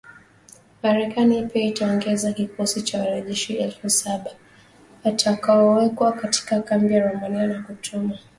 Marekani pia itaongeza kikosi cha wanajeshi elfu saba, watakaowekwa katika kambi ya Romania, na kutuma ndege zaidi ya mbili za kivita kwenda Uingereza